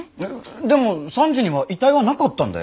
でも３時には遺体はなかったんだよ。